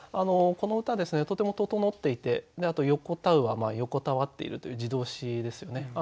この歌ですねとても整っていてあと「横たふ」は横たわっているという自動詞ですよね。